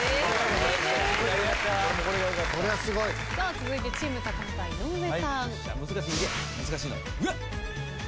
続いてチーム高畑井上さん。